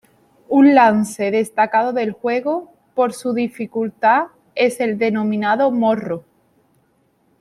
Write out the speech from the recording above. Un lance destacado del juego, por su dificultad, es el denominado "morro".